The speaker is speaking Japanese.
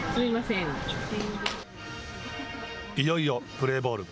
いよいよプレーボール。